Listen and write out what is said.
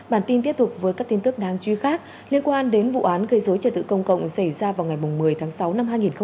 bản tin tiếp tục với các tin tức đáng chú ý khác liên quan đến vụ án gây dối trật tự công cộng xảy ra vào ngày một mươi tháng sáu năm hai nghìn hai mươi ba